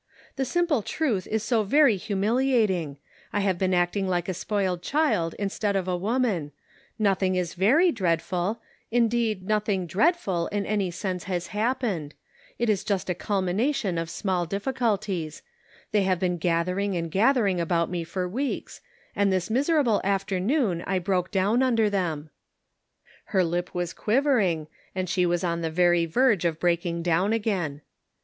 The simple truth is so very humiliating ; I have been acting like a spoiled child instead of a woman ; noth ing very dreadful; indeed, nothing dreadful in any sense has happened ; it is just a culmi nation of small difficulties; they have been gathering and gathering about me for weeks, and this miserable afternoon I broke down under them." Her lip was quivering, and she was on the very verge of breaking down again.